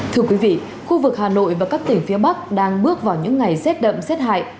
thưa quý vị khu vực hà nội và các tỉnh phía bắc đang bước vào những ngày rét đậm rét hại